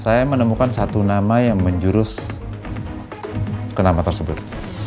saya menemukan satu nama yang menjurus kenama tersebut